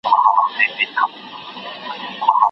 خوب ته دي راغلی یم شېبه یمه هېرېږمه